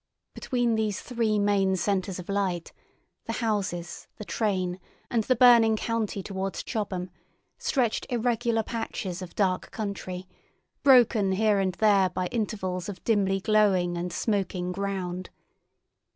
Between these three main centres of light—the houses, the train, and the burning county towards Chobham—stretched irregular patches of dark country, broken here and there by intervals of dimly glowing and smoking ground.